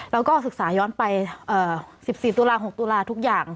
แล้วก็ศึกษาย้อนไป๑๔ตุลา๖ตุลาทุกอย่าง